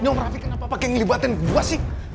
nih om rafi kenapa pake ngelibatin gue sih